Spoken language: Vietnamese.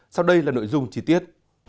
sau đây là nội dung chi tiết